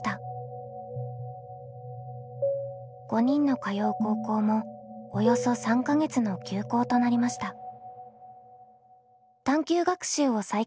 ５人の通う高校もおよそ３か月の休校となりました。